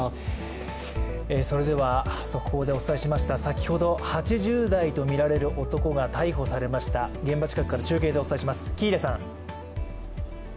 速報でお伝えしました、先ほど８０代とみられる男が逮捕されました、現場近くから中継でお伝えします、喜入さん。